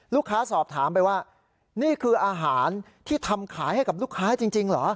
ลูกค้าสอบถามไปว่านี่คืออาหารที่ทำขายให้กับลูกค้าจริงเหรอ